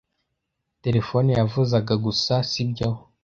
Terefone yavuzaga gusa, sibyo?